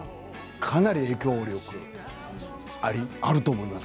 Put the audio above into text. かなり影響力あると思います。